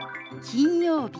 「金曜日」。